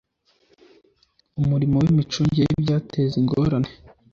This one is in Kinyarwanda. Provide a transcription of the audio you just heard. Umurimo w Imicungire y ibyateza ingorane